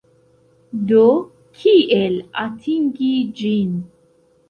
Do kiel atingi ĝin?